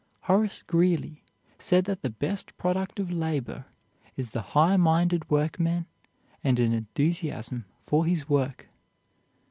Horace Greeley said that the best product of labor is the high minded workman with an enthusiasm for his work.